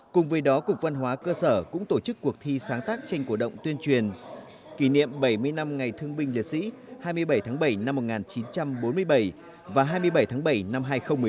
cùng với đó cục văn hóa cơ sở cũng tổ chức cuộc thi sáng tác tranh cổ động tuyên truyền kỷ niệm bảy mươi năm ngày thương binh liệt sĩ hai mươi bảy tháng bảy năm một nghìn chín trăm bốn mươi bảy và hai mươi bảy tháng bảy năm hai nghìn một mươi bốn